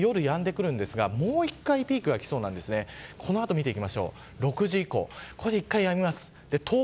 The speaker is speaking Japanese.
雨はだいぶ夜やんでくるんですがもう一度ピークがきそうなんでこの後見ていきましょう。